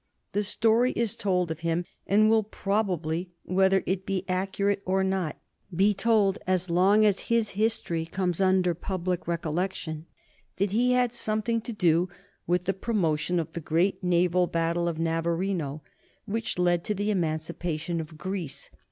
The story is told of him, and will probably, whether it be accurate or not, be told as long as his history comes under public recollection, that he had something to do with the promotion of the great naval battle of Navarino, which led to the emancipation of Greece.